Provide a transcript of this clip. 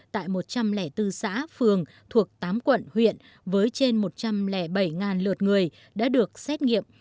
tại một trăm linh bốn xã phường thuộc tám quận huyện với trên một trăm linh bảy lượt người đã được xét nghiệm